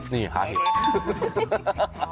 นี่หาเห็ด